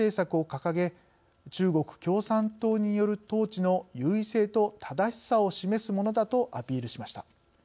掲げ中国共産党による統治の優位性と正しさを示すものだとアピールしました。